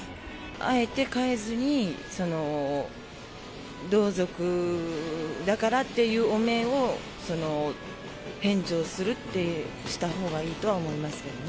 あえて代えずに、同族だからっていう汚名を返上するってしたほうがいいとは思いますけどね。